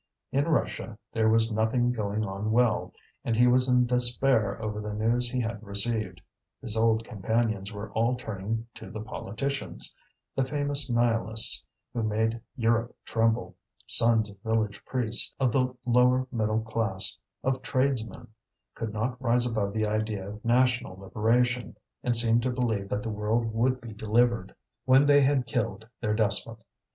In Russia there was nothing going on well, and he was in despair over the news he had received. His old companions were all turning to the politicians; the famous Nihilists who made Europe tremble sons of village priests, of the lower middle class, of tradesmen could not rise above the idea of national liberation, and seemed to believe that the world would be delivered when they had killed their despot.